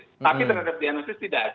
tapi terhadap diagnosis tidak